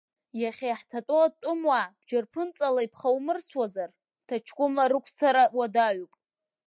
Иахьа иаҳҭатәоу атәымуаа бџьарԥынҵала иԥхаумырсуазар, ҭаҷкәымла рықәцара уадаҩуп.